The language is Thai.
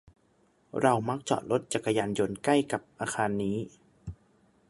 เรามักจอดรถจักรยานยนต์ใกล้กับอาคารนี้